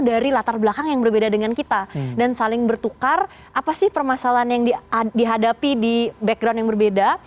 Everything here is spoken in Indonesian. dari latar belakang yang berbeda dengan kita dan saling bertukar apa sih permasalahan yang dihadapi di background yang berbeda